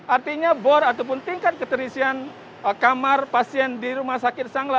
artinya bor ataupun tingkat keterisian kamar pasien di rumah sakit sangla